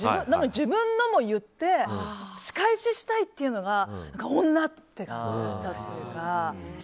自分のも言って仕返ししたいというのが女って感じがしたというか。